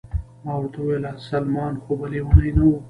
ما ورته وویل: سلمان خو به لیونی نه و؟